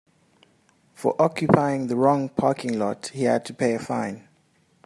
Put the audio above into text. For occupying the wrong parking lot he had to pay a fine.